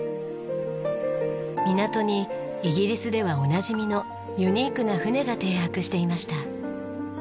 港にイギリスではおなじみのユニークな船が停泊していました。